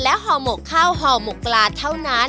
ห่อหมกข้าวห่อหมกปลาเท่านั้น